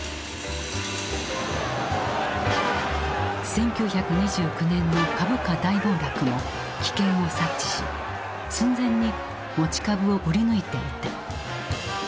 １９２９年の株価大暴落も危険を察知し寸前に持ち株を売り抜いていた。